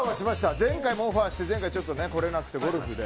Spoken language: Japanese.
前回もオファーして前回は来れなくて、ゴルフで。